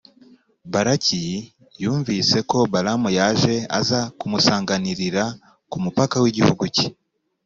balaki yumvise ko balamu yaje, aza kumusanganirira ku mupaka w’igihugu cye.